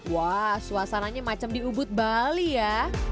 wah suasananya macam di ubud bali ya